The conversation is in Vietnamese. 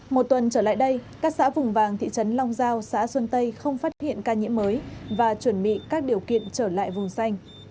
một tuần trở lại đây các xã vùng vàng thị trấn long giao xã xuân tây không phát hiện ca nhiễm mới và chuẩn bị các điều kiện trở lại vùng xanh